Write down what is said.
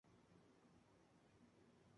Lytton ataca al Controlador, quien mata a Lytton.